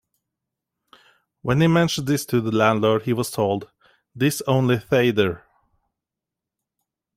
When he mentioned this to the landlord, he was told: 'tis only fayther!